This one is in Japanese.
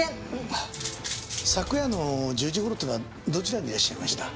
昨夜の１０時頃っていうのはどちらにいらっしゃいました？